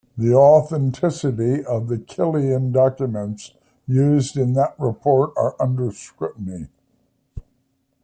The authenticity of the Killian documents used in that report are under scrutiny.